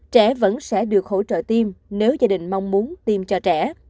trẻ vẫn sẽ được hỗ trợ tim nếu gia đình mong muốn tiêm cho trẻ